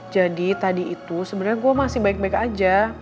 jadi tadi itu sebenernya gue masih baik baik aja